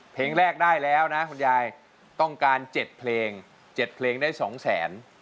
เพลงแรกได้แล้วนะคุณยายต้องการ๗เพลง๗เพลงได้๒แสน